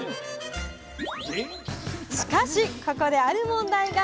しかしここである問題が。